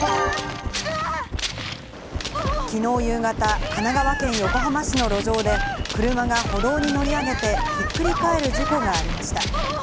きのう夕方、神奈川県横浜市の路上で車が歩道に乗り上げて、ひっくり返る事故がありました。